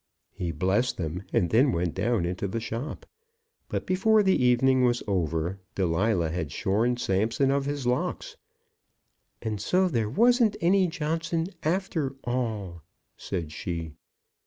He blessed them, and then went down into the shop. But before the evening was over, Delilah had shorn Samson of his locks. "And so there wasn't any Johnson after all," said she.